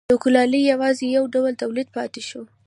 د کولالۍ یوازې یو ډول تولید پاتې شو.